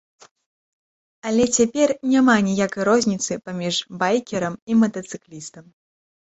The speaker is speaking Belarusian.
Але цяпер няма ніякай розніцы паміж байкерам і матацыклістам.